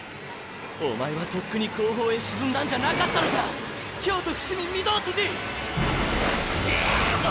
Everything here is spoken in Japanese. おまえはとっくに後方へ沈んだんじゃなかったのか京都伏見御堂筋クソ！